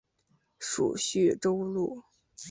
属叙州路。